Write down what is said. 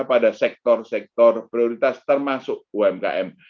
pada sektor sektor prioritas termasuk umkm